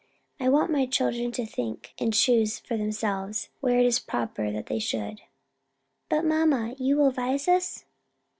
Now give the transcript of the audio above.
I want my children to think and choose for themselves, where it is proper that they should." "But mamma, you will 'vise us."